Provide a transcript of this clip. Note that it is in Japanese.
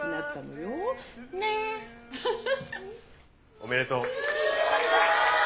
おめでとう。